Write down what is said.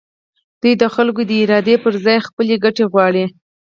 دوی د خلکو د ارادې پر ځای خپلې ګټې غواړي.